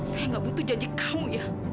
saya gak butuh janji kamu ya